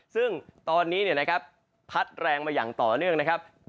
ซึ่งตอนนี้นะครับพัดแรงมาอย่างต่อเนื่องนะครับ